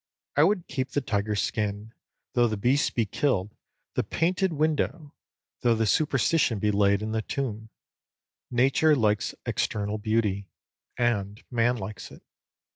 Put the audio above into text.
I would keep the tiger's skin, though the beast be killed; the painted window, though the superstition be laid in the tomb. Nature likes external beauty, and man likes it.